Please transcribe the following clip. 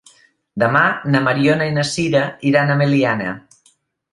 Demà na Mariona i na Sira iran a Meliana.